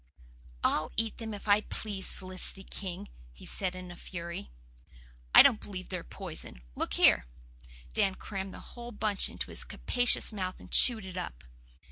"I'll eat them if I please, Felicity King," he said in a fury: "I don't believe they're poison. Look here!" Dan crammed the whole bunch into his capacious mouth and chewed it up.